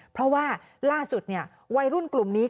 เพราะว่าล่าสุดวัยรุ่นกลุ่มนี้